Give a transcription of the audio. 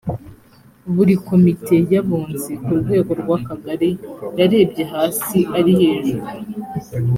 buri komite y abunzi ku rwego rw akagari yarebye hasi ari hejuru